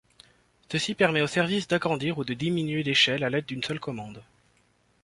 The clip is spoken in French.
Ceci permet aux services d'agrandir ou de diminuer d'échelle à l'aide d'une seule commande.